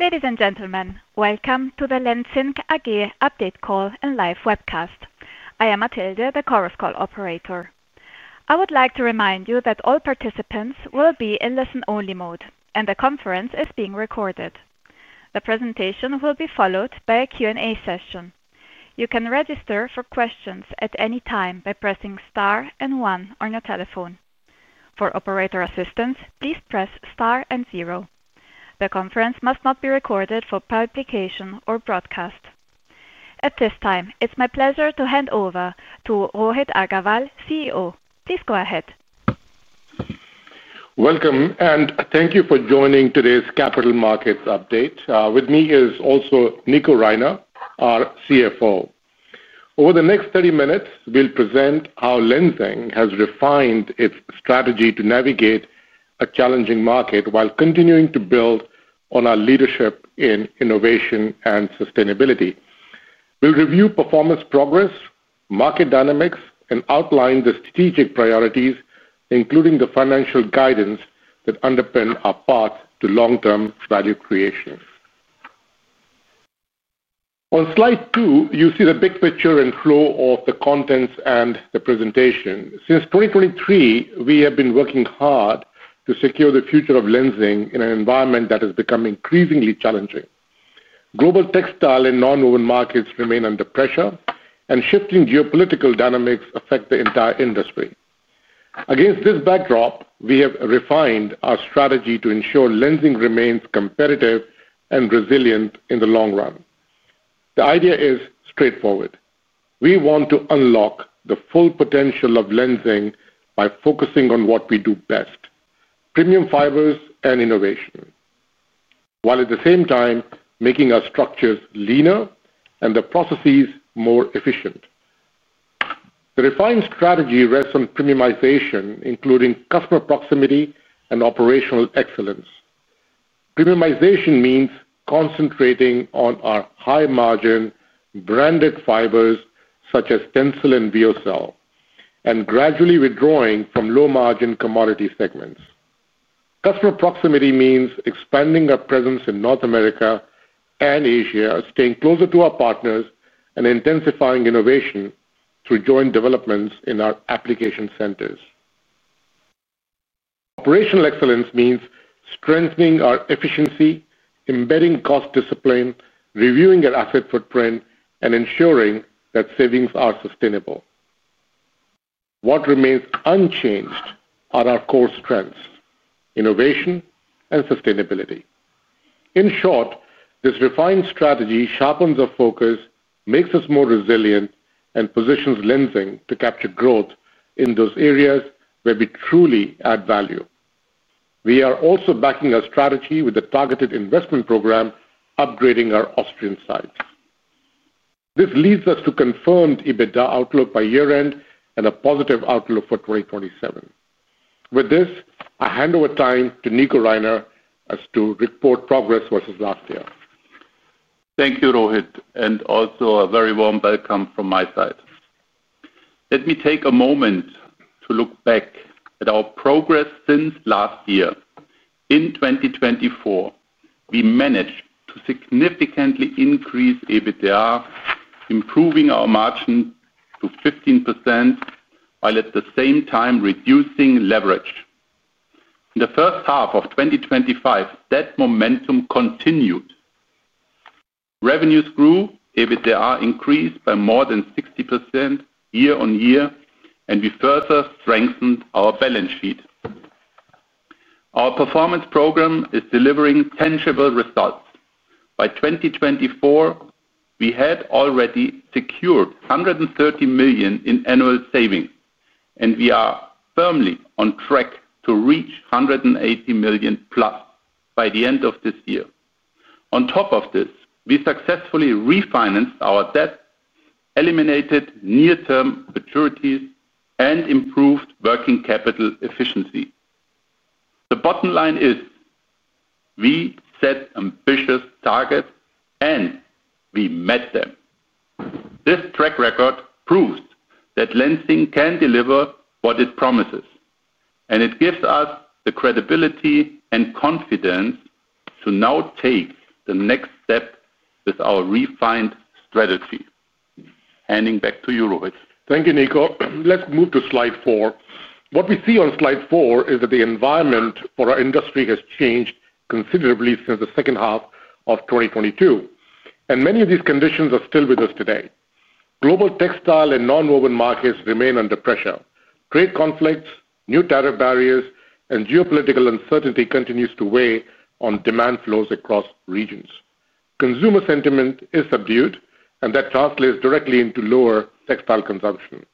Ladies and gentlemen, welcome to the Lenzing AG Update Call and Live Webcast. I am Matilde, the Chorus Call operator. I would like to remind you that all participants will be in listen-only mode, and the conference is being recorded. The presentation will be followed by a Q&A session. You can register for questions at any time by pressing star and one on your telephone. For operator assistance, please press star and zero. The conference must not be recorded for publication or broadcast. At this time, it's my pleasure to hand over to Rohit Aggarwal, CEO. Please go ahead. Welcome, and thank you for joining today's Capital Markets Update. With me is also Nico Reiner, our CFO. Over the next 30 minutes, we'll present how Lenzing has refined its strategy to navigate a challenging market while continuing to build on our leadership in innovation and sustainability. We'll review performance progress, market dynamics, and outline the strategic priorities, including the financial guidance that underpins our path to long-term value creation. On slide two, you see the big picture and flow of the contents and the presentation. Since 2023, we have been working hard to secure the future of Lenzing in an environment that has become increasingly challenging. Global textile and nonwoven markets remain under pressure, and shifting geopolitical dynamics affect the entire industry. Against this backdrop, we have refined our strategy to ensure Lenzing remains competitive and resilient in the long run. The idea is straightforward. We want to unlock the full potential of Lenzing by focusing on what we do best: premium fibers and innovation, while at the same time making our structures leaner and the processes more efficient. The refined strategy rests on premiumization, including customer proximity and operational excellence. Premiumization means concentrating on our high-margin branded fibers, such as TENCEL and VEOCEL, and gradually withdrawing from low-margin commodity segments. Customer proximity means expanding our presence in North America and Asia, staying closer to our partners, and intensifying innovation through joint developments in our application centers. Operational excellence means strengthening our efficiency, embedding cost discipline, reviewing our asset footprint, and ensuring that savings are sustainable. What remains unchanged are our core strengths: innovation and sustainability. In short, this refined strategy sharpens our focus, makes us more resilient, and positions Lenzing to capture growth in those areas where we truly add value. We are also backing our strategy with a targeted investment program, upgrading our Austrian sites. This leads us to confirmed EBITDA outlook by year-end and a positive outlook for 2027. With this, I hand over time to Nico Reiner as to report progress versus last year. Thank you, Rohit, and also a very warm welcome from my side. Let me take a moment to look back at our progress since last year. In 2024, we managed to significantly increase EBITDA, improving our margin to 15%, while at the same time reducing leverage. In the first half of 2025, that momentum continued. Revenues grew, EBITDA increased by more than 60% year on year, and we further strengthened our balance sheet. Our performance program is delivering tangible results. By 2024, we had already secured 130 million in annual savings, and we are firmly on track to reach 180 million+ by the end of this year. On top of this, we successfully refinanced our debt, eliminated near-term maturities, and improved working capital efficiency. The bottom line is we set ambitious targets, and we met them. This track record proves that Lenzing can deliver what it promises, and it gives us the credibility and confidence to now take the next step with our refined strategy. Handing back to you, Rohit. Thank you, Nico. Let's move to slide four. What we see on slide four is that the environment for our industry has changed considerably since the second half of 2022, and many of these conditions are still with us today. Global textile and non-woven markets remain under pressure. Trade conflicts, new tariff barriers, and geopolitical uncertainty continue to weigh on demand flows across regions. Consumer sentiment is subdued, and that translates directly into lower textile consumption.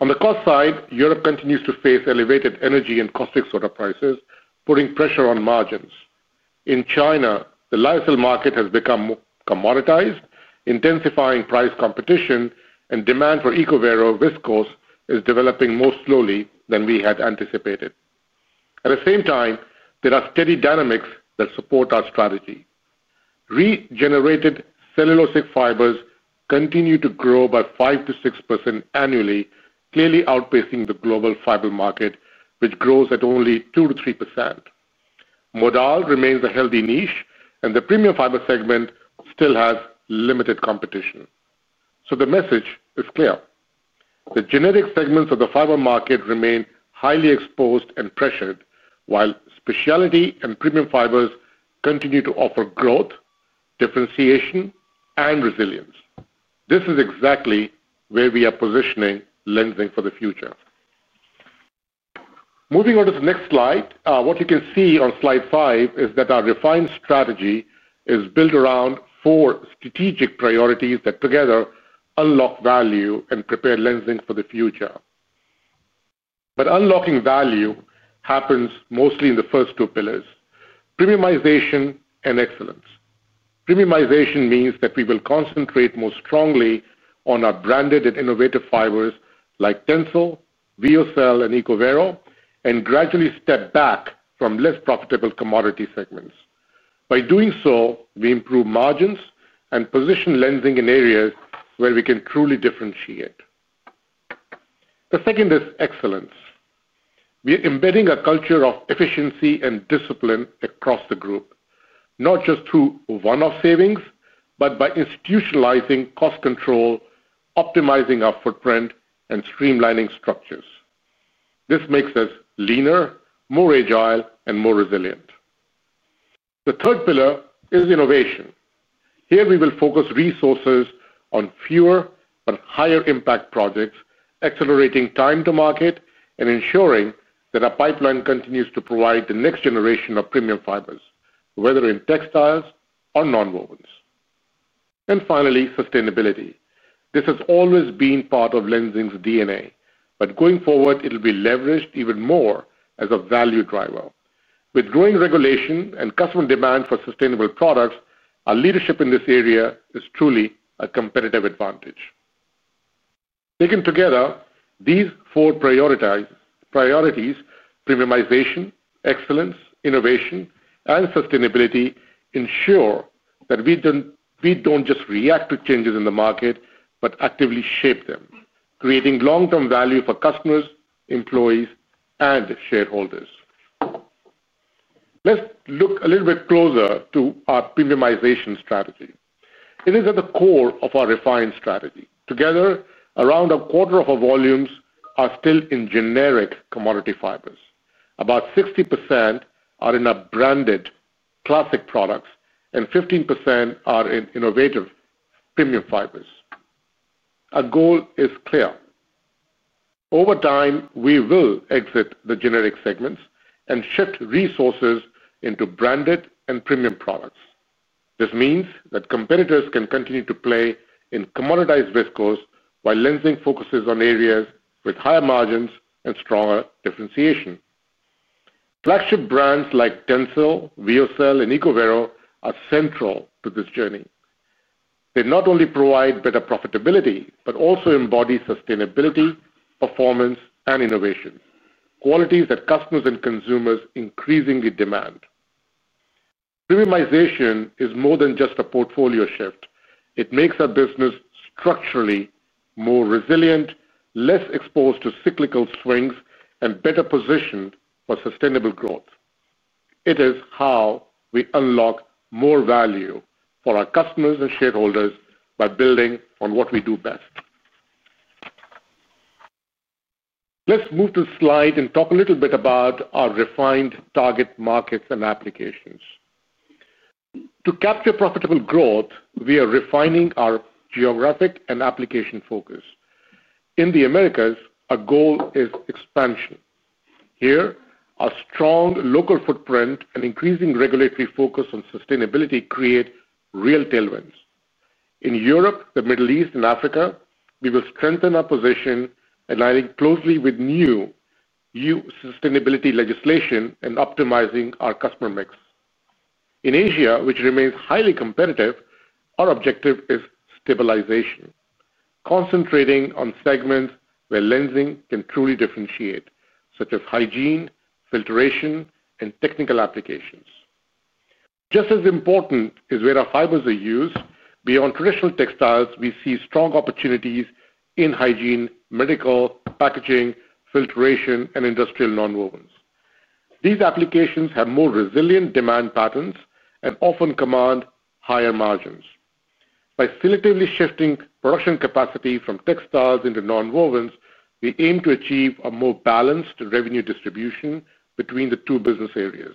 On the cost side, Europe continues to face elevated energy and caustic soda prices, putting pressure on margins. In China, the lifestyle market has become commoditized, intensifying price competition, and demand for ECOVERO viscose is developing more slowly than we had anticipated. At the same time, there are steady dynamics that support our strategy. Regenerated cellulosic fibers continue to grow by 5%-6% annually, clearly outpacing the global fiber market, which grows at only 2%-3%. Modal remains a healthy niche, and the premium fiber segment still has limited competition. The message is clear. The generic segments of the fiber market remain highly exposed and pressured, while specialty and premium fibers continue to offer growth, differentiation, and resilience. This is exactly where we are positioning Lenzing for the future. Moving on to the next slide, what you can see on slide five is that our refined strategy is built around four strategic priorities that together unlock value and prepare Lenzing for the future. Unlocking value happens mostly in the first two pillars: premiumization and excellence. Premiumization means that we will concentrate most strongly on our branded and innovative fibers like TENCEL, VEOCEL, and ECOVERO, and gradually step back from less profitable commodity segments. By doing so, we improve margins and position Lenzing in areas where we can truly differentiate. The second is excellence. We are embedding a culture of efficiency and discipline across the group, not just through one-off savings, but by institutionalizing cost control, optimizing our asset footprint, and streamlining structures. This makes us leaner, more agile, and more resilient. The third pillar is innovation. Here, we will focus resources on fewer but higher-impact projects, accelerating time to market and ensuring that our innovation pipeline continues to provide the next generation of premium fibers, whether in textiles or non-wovens. Finally, sustainability. This has always been part of Lenzing's DNA, but going forward, it'll be leveraged even more as a value driver. With growing regulation and customer demand for sustainable products, our leadership in this area is truly a competitive advantage. Taken together, these four priorities: premiumization, excellence, innovation, and sustainability ensure that we don't just react to changes in the market, but actively shape them, creating long-term value for customers, employees, and shareholders. Let's look a little bit closer to our premiumization strategy. It is at the core of our refined strategy. Together, around a quarter of our volumes are still in generic commodity fibers. About 60% are in our branded classic products, and 15% are in innovative premium fibers. Our goal is clear. Over time, we will exit the generic segments and shift resources into branded and premium products. This means that competitors can continue to play in commoditized viscose, while Lenzing focuses on areas with higher margins and stronger differentiation. Flagship brands like TENCEL, VEOCEL, and ECOVERO are central to this journey. They not only provide better profitability, but also embody sustainability, performance, and innovation, qualities that customers and consumers increasingly demand. Premiumization is more than just a portfolio shift. It makes our business structurally more resilient, less exposed to cyclical swings, and better positioned for sustainable growth. It is how we unlock more value for our customers and shareholders by building on what we do best. Let's move to the slide and talk a little bit about our refined target markets and applications. To capture profitable growth, we are refining our geographic and application focus. In the Americas, our goal is expansion. Here, a strong local footprint and increasing regulatory focus on sustainability create real tailwinds. In Europe, the Middle East, and Africa, we will strengthen our position, aligning closely with new sustainability legislation and optimizing our customer mix. In Asia, which remains highly competitive, our objective is stabilization, concentrating on segments where Lenzing can truly differentiate, such as hygiene, filtration, and technical applications. Just as important as where our fibers are used, beyond traditional textiles, we see strong opportunities in hygiene, medical, packaging, filtration, and industrial non-wovens. These applications have more resilient demand patterns and often command higher margins. By selectively shifting production capacity from textiles into nonwovens, we aim to achieve a more balanced revenue distribution between the two business areas.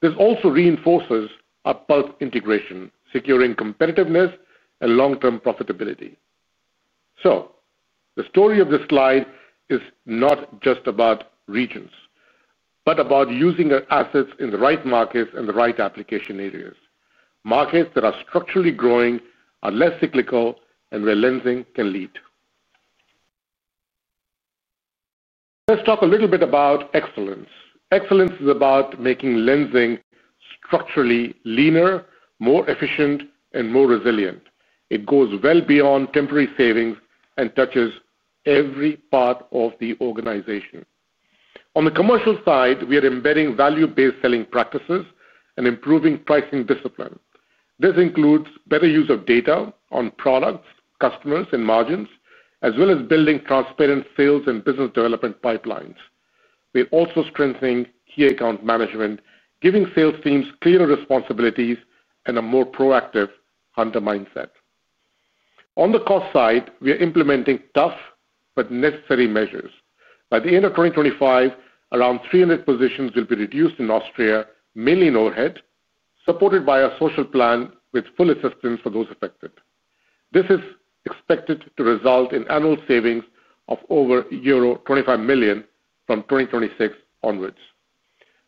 This also reinforces our pulse integration, securing competitiveness and long-term profitability. The story of this slide is not just about regions, but about using our assets in the right markets and the right application areas. Markets that are structurally growing are less cyclical and where Lenzing can lead. Let's talk a little bit about excellence. Excellence is about making Lenzing structurally leaner, more efficient, and more resilient. It goes well beyond temporary savings and touches every part of the organization. On the commercial side, we are embedding value-based selling practices and improving pricing discipline. This includes better use of data on products, customers, and margins, as well as building transparent sales and business development pipelines. We're also strengthening key account management, giving sales teams clearer responsibilities and a more proactive hunter mindset. On the cost side, we are implementing tough but necessary measures. By the end of 2025, around 300 positions will be reduced in Austria, mainly in overhead, supported by a social plan with full assistance for those affected. This is expected to result in annual savings of over euro 25 million from 2026 onwards.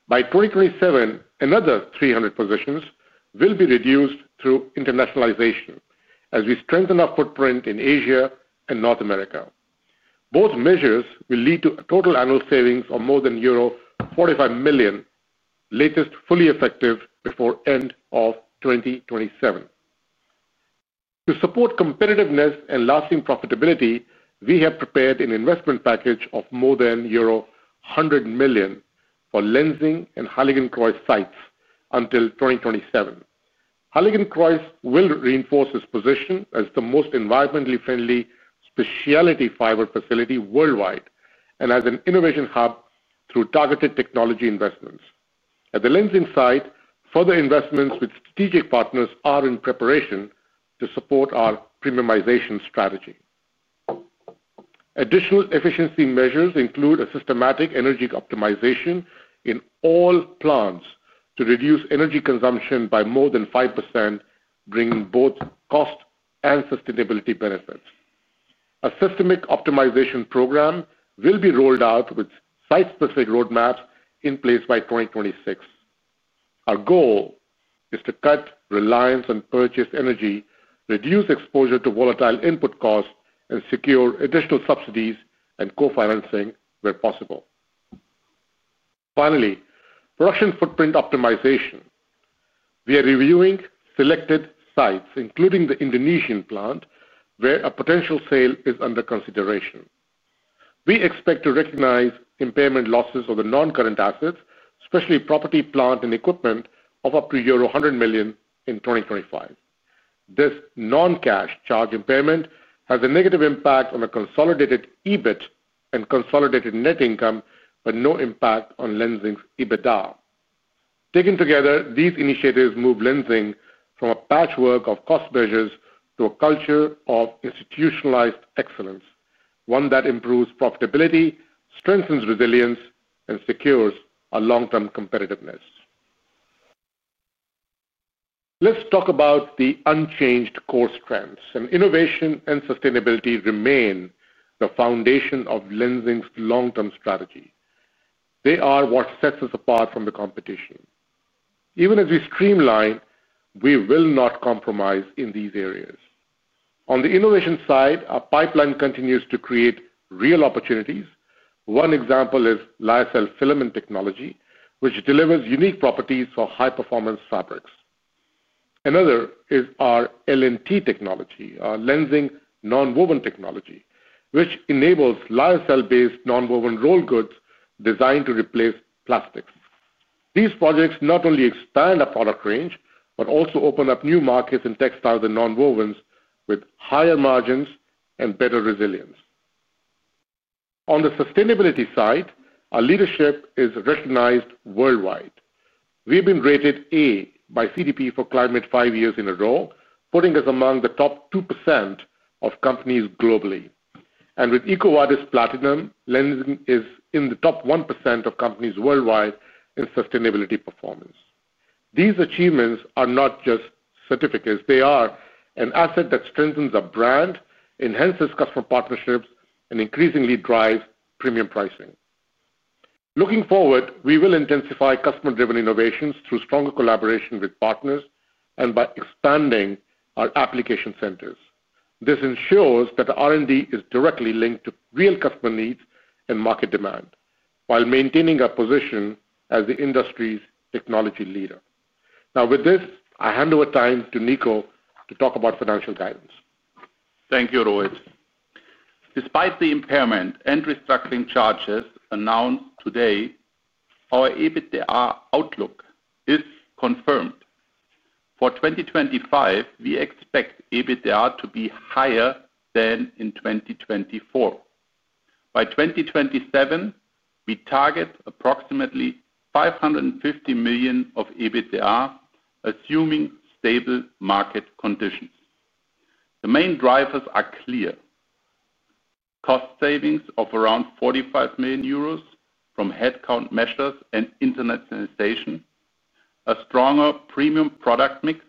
By 2027, another 300 positions will be reduced through internationalization as we strengthen our footprint in Asia and North America. Both measures will lead to a total annual savings of more than euro 45 million, the latest fully effective before end of 2027. To support competitiveness and lasting profitability, we have prepared an investment package of more than euro 100 million for Lenzing and Heiligenkreuz sites until 2027. Heiligenkreuz will reinforce its position as the most environmentally friendly specialty fiber facility worldwide and as an innovation hub through targeted technology investments. At the Lenzing site, further investments with strategic partners are in preparation to support our premiumization strategy. Additional efficiency measures include a systematic energy optimization in all plants to reduce energy consumption by more than 5%, bringing both cost and sustainability benefits. A systemic optimization program will be rolled out with site-specific roadmaps in place by 2026. Our goal is to cut reliance on purchased energy, reduce exposure to volatile input costs, and secure additional subsidies and co-financing where possible. Finally, production footprint optimization. We are reviewing selected sites, including the Indonesian plant, where a potential sale is under consideration. We expect to recognize impairment losses of the non-current assets, especially property, plant, and equipment, of up to euro 100 million in 2025. This non-cash impairment charge has a negative impact on the consolidated EBIT and consolidated net income, but no impact on Lenzing's EBITDA. Taken together, these initiatives move Lenzing from a patchwork of cost measures to a culture of institutionalized excellence, one that improves profitability, strengthens resilience, and secures long-term competitiveness. Let's talk about the unchanged core strengths, and innovation and sustainability remain the foundation of Lenzing's long-term strategy. They are what sets us apart from the competition. Even as we streamline, we will not compromise in these areas. On the innovation side, our pipeline continues to create real opportunities. One example is Lyocell Filament Technology, which delivers unique properties for high-performance fabrics. Another is our LNT technology, our Lenzing Nonwoven Technology, which enables Lyocell-based nonwoven roll goods designed to replace plastics. These projects not only expand our product range, but also open up new markets in textiles and nonwovens with higher margins and better resilience. On the sustainability side, our leadership is recognized worldwide. We've been rated A by CDP for climate five years in a row, putting us among the top 2% of companies globally. With EcoVadis Platinum, Lenzing is in the top 1% of companies worldwide in sustainability performance. These achievements are not just certificates; they are an asset that strengthens our brand, enhances customer partnerships, and increasingly drives premium pricing. Looking forward, we will intensify customer-driven innovations through stronger collaboration with partners and by expanding our application centers. This ensures that our R&D is directly linked to real customer needs and market demand, while maintaining our position as the industry's technology leader. Now, with this, I hand over time to Nico to talk about financial guidance. Thank you, Rohit. Despite the impairment and restructuring charges announced today, our EBITDA outlook is confirmed. For 2025, we expect EBITDA to be higher than in 2024. By 2027, we target approximately 550 million of EBITDA assuming stable market conditions. The main drivers are clear: cost savings of around 45 million euros from headcount measures and internationalization, a stronger premium product mix,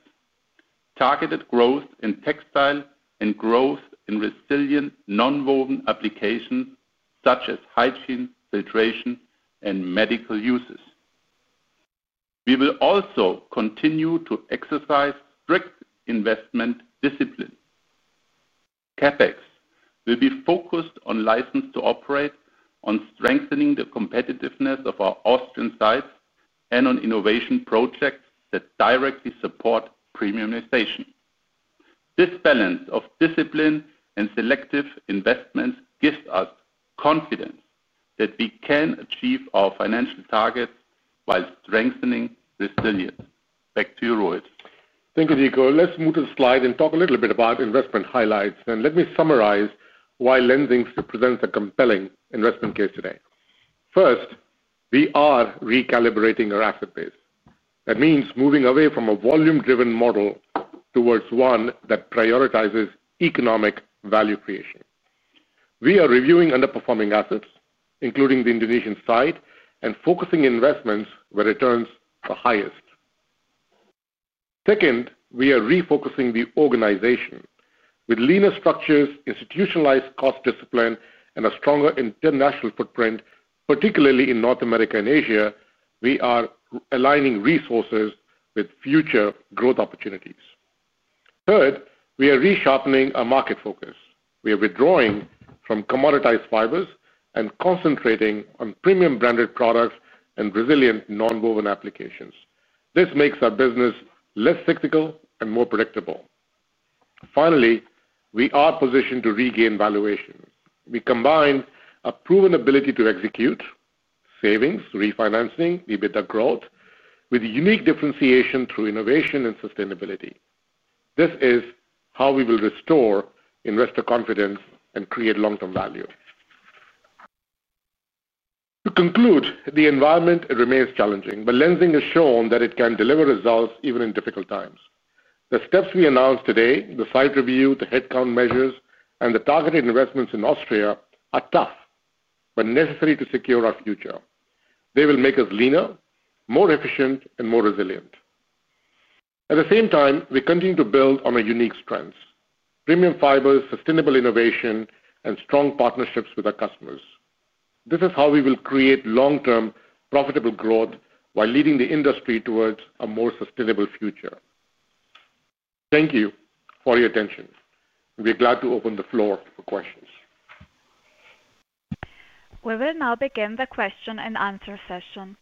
targeted growth in textile, and growth in resilient non-woven applications such as hygiene, filtration, and medical uses. We will also continue to exercise strict investment discipline. CapEx will be focused on license to operate, on strengthening the competitiveness of our Austrian sites, and on innovation projects that directly support premiumization. This balance of discipline and selective investments gives us confidence that we can achieve our financial targets while strengthening resilience. Back to you, Rohit. Thank you, Nico. Let's move to the slide and talk a little bit about investment highlights, and let me summarize why Lenzing presents a compelling investment case today. First, we are recalibrating our asset base. That means moving away from a volume-driven model towards one that prioritizes economic value creation. We are reviewing underperforming assets, including the Indonesian site, and focusing on investments where returns are highest. Second, we are refocusing the organization. With leaner structures, institutionalized cost discipline, and a stronger international footprint, particularly in North America and Asia, we are aligning resources with future growth opportunities. Third, we are resharpening our market focus. We are withdrawing from commoditized fibers and concentrating on premium branded products and resilient non-woven applications. This makes our business less cyclical and more predictable. Finally, we are positioned to regain valuation. We combine a proven ability to execute savings, refinancing, EBITDA growth, with unique differentiation through innovation and sustainability. This is how we will restore investor confidence and create long-term value. To conclude, the environment remains challenging, but Lenzing has shown that it can deliver results even in difficult times. The steps we announced today, the site review, the headcount measures, and the targeted investments in Austria are tough but necessary to secure our future. They will make us leaner, more efficient, and more resilient. At the same time, we continue to build on our unique strengths: premium fibers, sustainable innovation, and strong partnerships with our customers. This is how we will create long-term profitable growth while leading the industry towards a more sustainable future. Thank you for your attention. We are glad to open the floor for questions. We will now begin the question-and-answer session.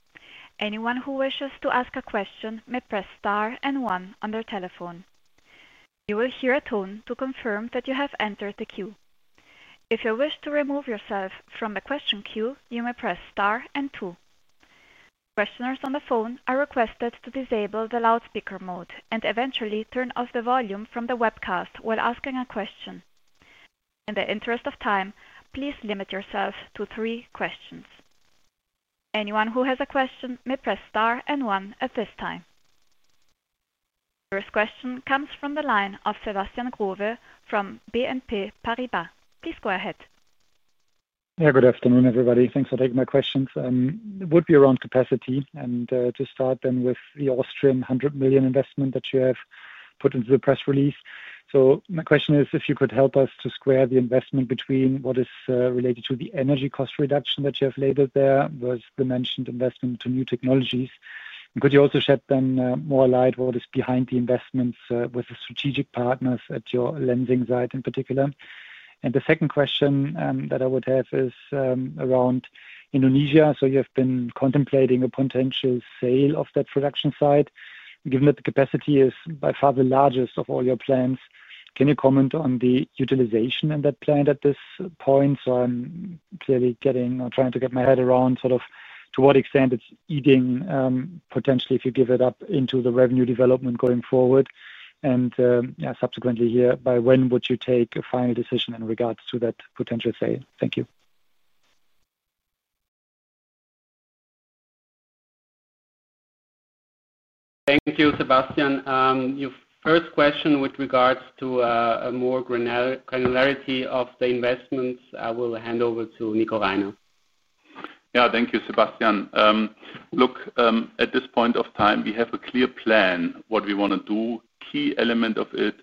Anyone who wishes to ask a question may press star and one on their telephone. You will hear a tone to confirm that you have entered the queue. If you wish to remove yourself from the question queue, you may press star and two. Questioners on the phone are requested to disable the loudspeaker mode and eventually turn off the volume from the webcast while asking a question. In the interest of time, please limit yourself to three questions. Anyone who has a question may press star and one at this time. First question comes from the line of Sebastian Growe from BNP Paribas. Please go ahead. Yeah, good afternoon, everybody. Thanks for taking my questions. I would be around capacity and to start with the Austrian 100 million investment that you have put into the press release. My question is if you could help us to square the investment between what is related to the energy cost reduction that you have laid out there versus the mentioned investment to new technologies. Could you also shed more light on what is behind the investments with the strategic partners at your Lenzing site in particular? The second question that I would have is around Indonesia. You have been contemplating a potential sale of that production site. Given that the capacity is by far the largest of all your plants, can you comment on the utilization in that plant at this point? I'm clearly trying to get my head around to what extent it's eating potentially if you give it up into the revenue development going forward. Subsequently, by when would you take a final decision in regards to that potential sale? Thank you. Thank you, Sebastian. Your first question with regards to more granularity of the investments, I will hand over to Nico Reiner. Yeah, thank you, Sebastian. Look, at this point of time, we have a clear plan what we want to do. A key element of it is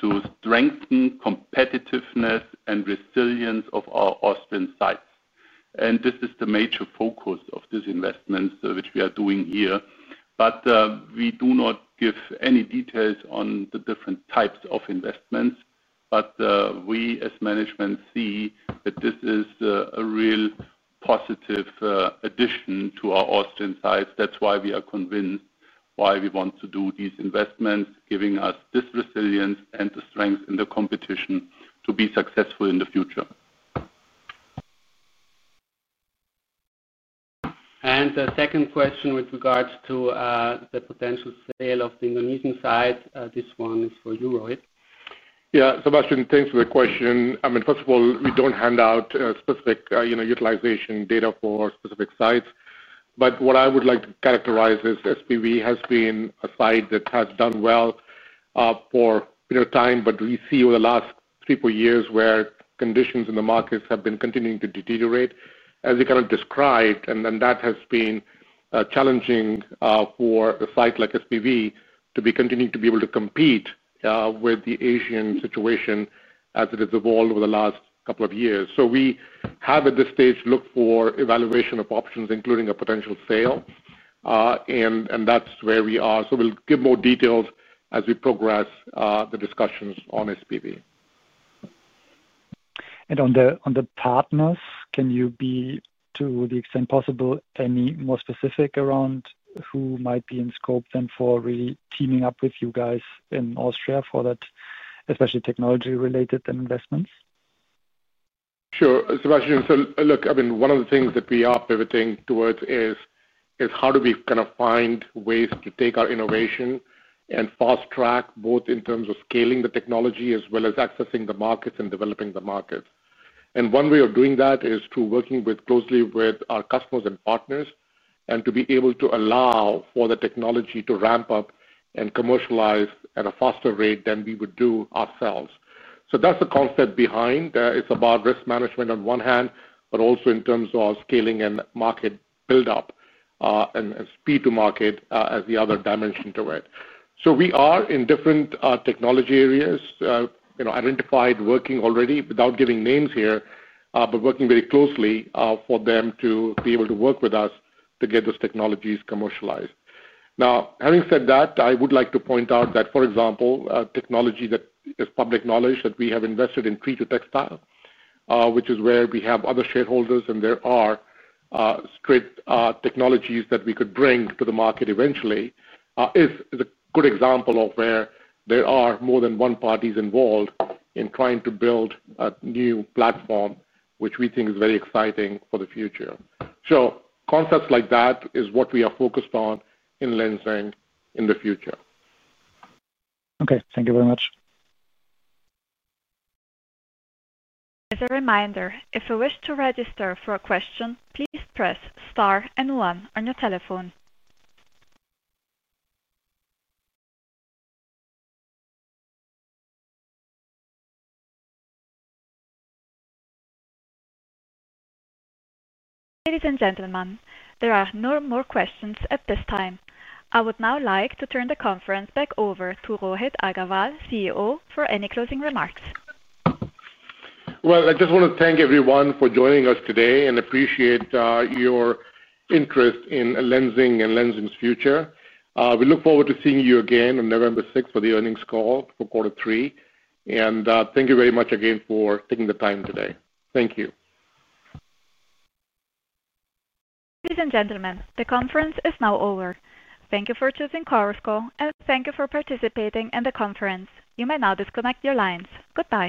to strengthen competitiveness and resilience of our Austrian sites. This is the major focus of these investments which we are doing here. We do not give any details on the different types of investments. We, as management, see that this is a real positive addition to our Austrian sites. That's why we are convinced why we want to do these investments, giving us this resilience and the strength in the competition to be successful in the future. The second question with regards to the potential sale of the Indonesian site, this one is for you, Rohit. Yeah, Sebastian, thanks for the question. First of all, we don't hand out specific utilization data for specific sites. What I would like to characterize is SPV has been a site that has done well for a period of time. We see over the last three, four years where conditions in the markets have been continuing to deteriorate, as you kind of described. That has been challenging for a site like SPV to be continuing to be able to compete with the Asian situation as it has evolved over the last couple of years. We have, at this stage, looked for evaluation of options, including a potential sale, and that's where we are. We'll give more details as we progress the discussions on SPV. On the partners, can you be, to the extent possible, any more specific around who might be in scope for really teaming up with you guys in Austria for that, especially technology-related investments? Sure, Sebastian. One of the things that we are pivoting towards is how do we kind of find ways to take our innovation and fast-track both in terms of scaling the technology as well as accessing the markets and developing the markets. One way of doing that is through working closely with our customers and partners and to be able to allow for the technology to ramp up and commercialize at a faster rate than we would do ourselves. That's the concept behind it. It's about risk management on one hand, but also in terms of scaling and market buildup and speed to market as the other dimension to it. We are in different technology areas, identified working already without giving names here, but working very closely for them to be able to work with us to get those technologies commercialized. Having said that, I would like to point out that, for example, a technology that is public knowledge that we have invested in TreeTo Textile, which is where we have other shareholders and there are strict technologies that we could bring to the market eventually, is a good example of where there is more than one party involved in trying to build a new platform, which we think is very exciting for the future. Concepts like that are what we are focused on in Lenzing in the future. Okay, thank you very much. As a reminder, if you wish to register for a question, please press star and one on your telephone. Ladies and gentlemen, there are no more questions at this time. I would now like to turn the conference back over to Rohit Aggarwal, CEO, for any closing remarks. I just want to thank everyone for joining us today and appreciate your interest in Lenzing and Lenzing's future. We look forward to seeing you again on November 6th for the earnings call for quarter three. Thank you very much again for taking the time today. Thank you. Ladies and gentlemen, the conference is now over. Thank you for choosing Chorus Call, and thank you for participating in the conference. You may now disconnect your lines. Goodbye.